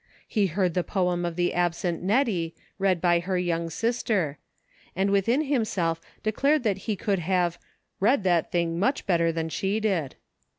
He heard the poem of the absent Nettie, read by her young sister ; and within himself declared that he could have " read that thing much better than she did."